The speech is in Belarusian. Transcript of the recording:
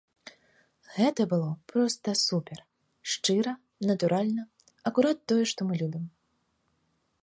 Гэта было проста супер, шчыра, натуральна, акурат тое, што мы любім.